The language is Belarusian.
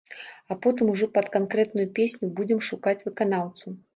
А потым ужо пад канкрэтную песню будзем шукаць выканаўцу.